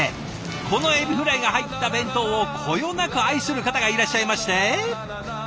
このエビフライが入った弁当をこよなく愛する方がいらっしゃいまして。